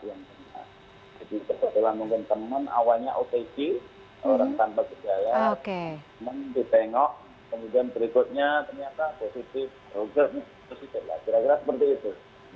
jadi kebetulan mungkin teman awalnya otg orang tanpa kejalan teman dipengok kemudian berikutnya ternyata positif oke kira kira seperti itu